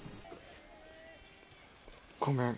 ごめん。